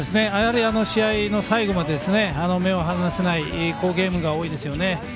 試合の最後まで目を離せない好ゲームが多いですよね。